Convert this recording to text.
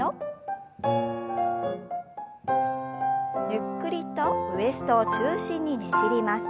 ゆっくりとウエストを中心にねじります。